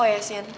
oh ya sian